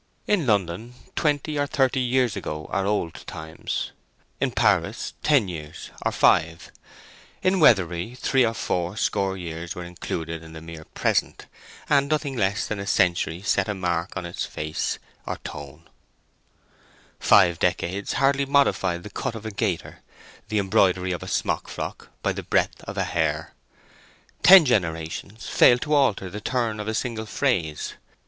In London, twenty or thirty years ago are old times; in Paris ten years, or five; in Weatherbury three or four score years were included in the mere present, and nothing less than a century set a mark on its face or tone. Five decades hardly modified the cut of a gaiter, the embroidery of a smock frock, by the breadth of a hair. Ten generations failed to alter the turn of a single phrase.